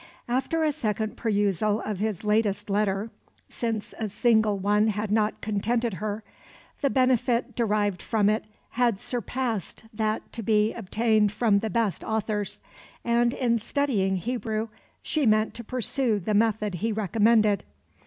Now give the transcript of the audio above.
After a second perusal of his latest letter since a single one had not contented her the benefit derived from it had surpassed that to be obtained from the best authors, and in studying Hebrew she meant to pursue the method he recommended.